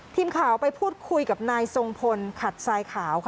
ทีมข่าวไปพูดคุยกับนายทรงพลขัดทรายขาวค่ะ